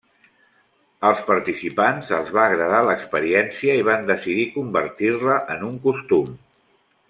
Als participants els va agradar l'experiència i van decidir convertir-la en un costum.